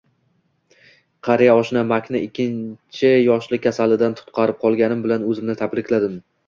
Qariya oshnam Makni ikkinchi yoshlik kasalidan qutqarib qolganim bilan o`zimni tabrikladim